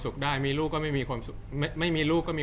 จากความไม่เข้าจันทร์ของผู้ใหญ่ของพ่อกับแม่